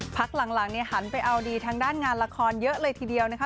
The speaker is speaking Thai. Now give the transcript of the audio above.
พักหลังเนี่ยหันไปเอาดีทางด้านงานละครเยอะเลยทีเดียวนะคะ